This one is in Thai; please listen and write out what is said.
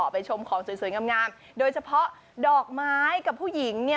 ไปชมของสวยงามโดยเฉพาะดอกไม้กับผู้หญิงเนี่ย